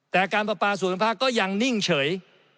แต่การประปาส่วนภาคก็ยังนิ่งเฉย